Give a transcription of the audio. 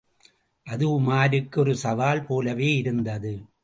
அது உமாருக்கு ஒரு சவால் போலவே இருந்தது!